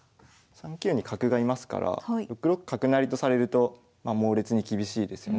３九に角がいますから６六角成とされると猛烈に厳しいですよね